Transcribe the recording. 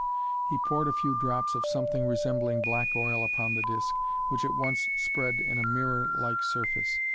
He poured a few drops of something resembling black oil upon the disk, which at once spread in a mirror like surface.